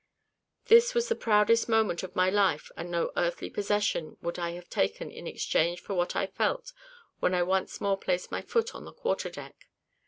This was the proudest moment of my life, and no earthly possession would I have taken in exchange for what I felt when I once more placed my foot on the quarter deck.